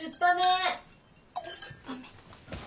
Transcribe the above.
酸っぱめ。